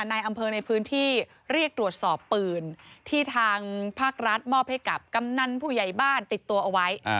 ในอำเภอในพื้นที่เรียกตรวจสอบปืนที่ทางภาครัฐมอบให้กับกำนันผู้ใหญ่บ้านติดตัวเอาไว้